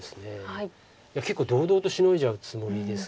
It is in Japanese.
いや結構堂々とシノいじゃうつもりです。